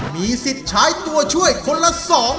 มีสิทธิ์ใช้ตัวช่วยคนละ๒